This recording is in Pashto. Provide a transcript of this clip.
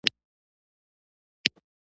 احمد اوس سترګې راپورته کړې.